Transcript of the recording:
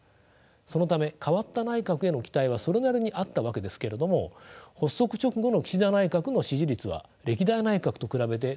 そのため代わった内閣への期待はそれなりにあったわけですけれども発足直後の岸田内閣の支持率は歴代内閣と比べてかなり低いものでした。